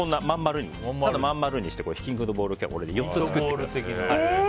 ただ真ん丸にしてひき肉のボールを４つ作ってください。